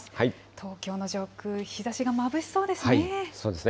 東京の上空、日ざしがまぶしそうですね。